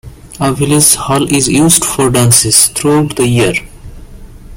A village hall is used for dances throughout the year.